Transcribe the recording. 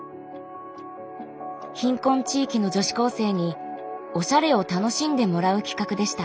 貧困地域の女子高生におしゃれを楽しんでもらう企画でした。